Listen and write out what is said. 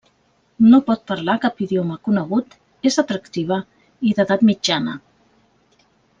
No pot parlar cap idioma conegut, és atractiva i d'edat mitjana.